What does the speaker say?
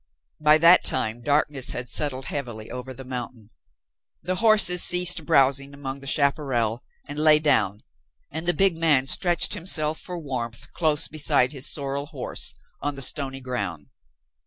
By that time darkness had settled heavily over the mountain. The horses ceased browsing among the chaparral and lay down, and the big man stretched himself for warmth close beside his sorrel horse, on the stony ground.